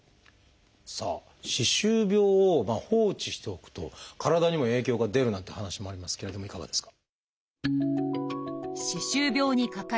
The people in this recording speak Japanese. さあ歯周病を放置しておくと体にも影響が出るなんて話もありますけれどもいかがですか？